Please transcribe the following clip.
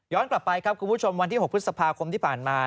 กลับไปครับคุณผู้ชมวันที่๖พฤษภาคมที่ผ่านมา